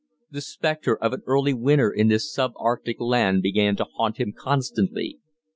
The spectre of an early winter in this sub Arctic land began to haunt him constantly.